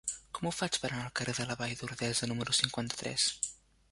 Com ho faig per anar al carrer de la Vall d'Ordesa número cinquanta-tres?